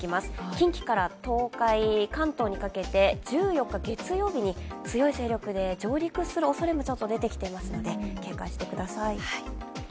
近畿から東海、関東にかけて、１４日月曜日に強い勢力で上陸する恐れも出てきていますので、警戒してください。